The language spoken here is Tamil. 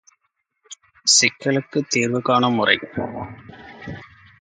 சிக்கலுக்குத் தீர்வு காணும் முறை.